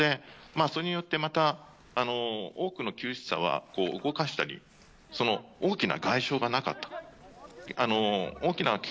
それによって多くの救出者は動かしたり大きな外傷がなかった。